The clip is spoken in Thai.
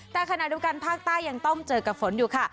แต่ขณะเดียวกันภาคใต้ยังต้องเจอกับฝนอยู่ค่ะ